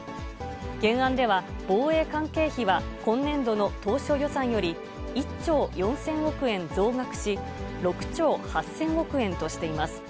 原案では、防衛関係費は今年度の当初予算より１兆４０００億円増額し、６兆８０００億円としています。